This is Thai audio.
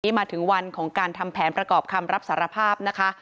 มาถึงวันของการทำแผนประกอบคำรับสารภาพนะคะ